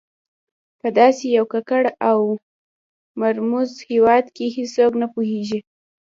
په داسې یو ککړ او مرموز هېواد کې هېڅوک نه پوهېږي.